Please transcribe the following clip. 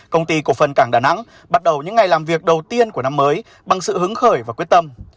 công ty cổ phần cảng đà nẵng bắt đầu những ngày làm việc đầu tiên của năm mới bằng sự hứng khởi và quyết tâm